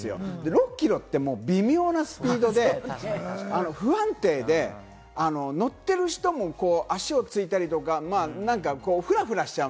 ６キロって、微妙なスピードで、不安定で乗ってる人も足をついたりとか、フラフラしちゃう。